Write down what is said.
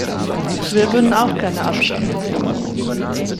Wir würden auch gerne abstimmen.